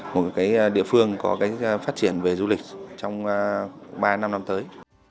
một cái địa phương có cái phát triển về du lịch trong ba năm năm tới